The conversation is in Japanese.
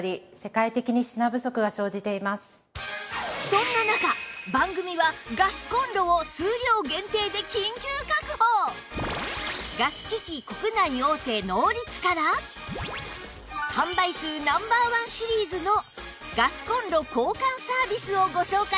そんな中番組はガスコンロをガス機器国内大手ノーリツから販売数ナンバーワンシリーズのガスコンロ交換サービスをご紹介します